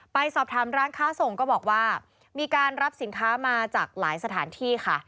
ไปสอบถามร้านค้าส่งก็บอกว่ามีการรับสินค้ามาจากหลายสถานที่ค่ะ